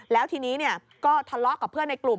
แล้วทีนี้ก็ทะเลาะกับเพื่อนในกลุ่ม